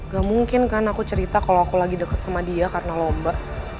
ga mungkin kan aku cerita kalo aku lagi deket sama dia karena loba